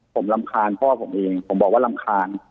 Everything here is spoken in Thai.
ผมรำคาญพ่อผมเองผมบอกว่ารำคาญ